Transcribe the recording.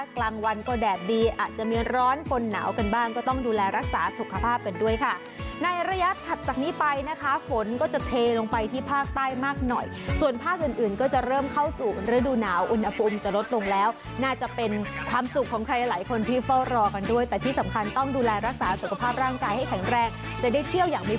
กลางวันก็แดดดีอาจจะมีร้อนปนหนาวกันบ้างก็ต้องดูแลรักษาสุขภาพกันด้วยค่ะในระยะถัดจากนี้ไปนะคะฝนก็จะเทลงไปที่ภาคใต้มากหน่อยส่วนภาคอื่นอื่นก็จะเริ่มเข้าสู่ฤดูหนาวอุณหภูมิจะลดลงแล้วน่าจะเป็นความสุขของใครหลายคนที่เฝ้ารอกันด้วยแต่ที่สำคัญต้องดูแลรักษาสุขภาพร่างกายให้แข็งแรงจะได้เที่ยวอย่างมี